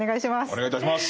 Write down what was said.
お願いいたします。